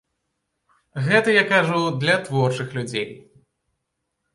Гэта я кажу для творчых людзей.